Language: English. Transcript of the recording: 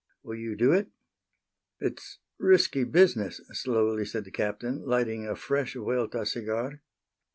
Will you do it?" "It's risky business," slowly said the Captain, lighting a fresh Vuelta cigar.